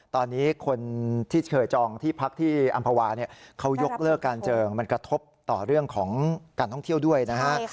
ตอนนี้คนที่เคยจองที่พักที่อำภาวาเนี่ยเขายกเลิกการเจิงมันกระทบต่อเรื่องของการท่องเที่ยวด้วยนะฮะ